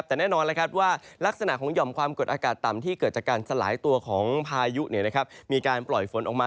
แต่แน่นอนว่าลักษณะของหย่อมความกดอากาศต่ำที่เกิดจากการสลายตัวของพายุมีการปล่อยฝนออกมา